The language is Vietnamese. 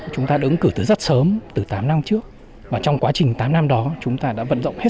chúng ta đã ứng cử từ rất sớm từ tám năm trước và trong quá trình tám năm đó chúng ta đã vận động hết